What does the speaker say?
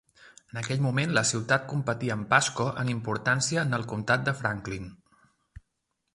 En aquell moment la ciutat competia amb Pasco en importància en el comtat de Franklin.